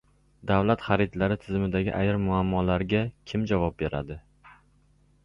Davlat xaridlari tizimidagi ayrim muammolarga kim javob beradi?